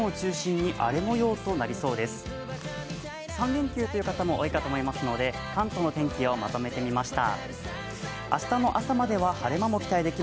３連休という方も多いかと思いますので、関東の天気をまとめてみました。